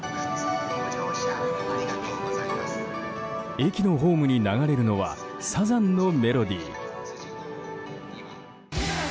駅のホームに流れるのはサザンのメロディー。